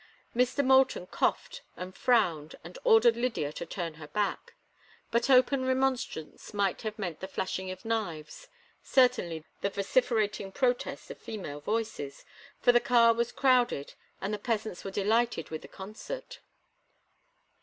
Mr. Moulton coughed and frowned and ordered Lydia to turn her back; but open remonstrance might have meant the flashing of knives, certainly the vociferating protest of female voices, for the car was crowded and the peasants were delighted with the concert.